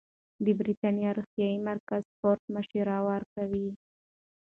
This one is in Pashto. د بریتانیا روغتیايي مرکز سپورت مشوره ورکوي.